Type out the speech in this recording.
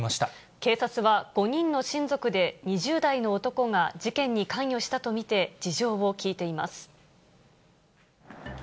警察は、５人の親族で、２０代の男が事件に関与したと見て、事情を聴いています。